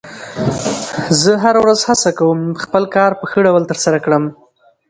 زه هره ورځ هڅه کوم خپل کار په ښه ډول ترسره کړم